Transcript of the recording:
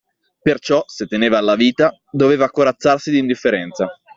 Perciò, se teneva alla vita, doveva corazzarsi d'indifferenza